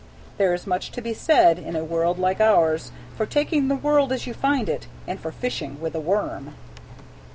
There is much to be said, in a world like ours, for taking the world as you find it and for fishing with a worm.